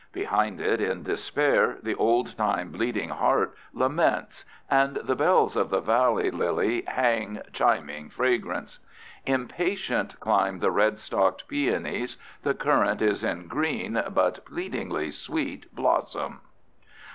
Beside it in despair the old time bleeding heart laments, and the bells of the valley lily hang, chiming fragrance. Impatient climb the red stalked peonies. The currant is in green but pleadingly sweet blossom.